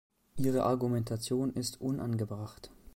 Ihre Argumentation ist unangebracht.